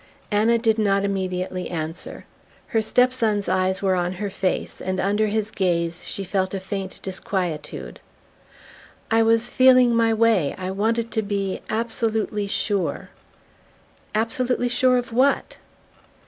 Anna did not immediately answer. Her step son's eyes were on her face, and under his gaze she felt a faint disquietude. "I was feeling my way...I wanted to be absolutely sure..." "Absolutely sure of what?"